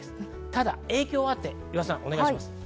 ただ影響があって、岩田さん、お願いします。